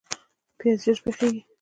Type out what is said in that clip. پیاز ژر پخیږي